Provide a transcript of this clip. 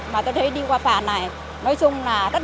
mà tôi thấy đi qua phà này nói chung là rất là an toàn